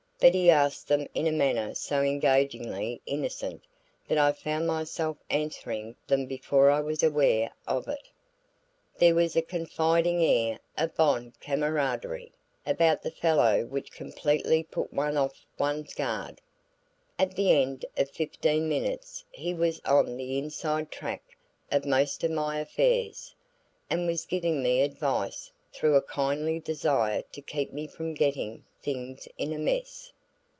But he asked them in a manner so engagingly innocent that I found myself answering them before I was aware of it. There was a confiding air of bonne camaraderie about the fellow which completely put one off one's guard. At the end of fifteen minutes he was on the inside track of most of my affairs, and was giving me advice through a kindly desire to keep me from getting things in a mess.